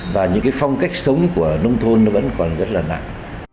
và những cái phong cách sống của nông thôn nó vẫn còn rất là nặng